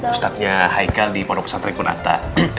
ustad nya haikal di pondok pesantren punata